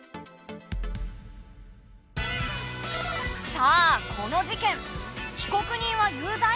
さあこの事件被告人は有罪？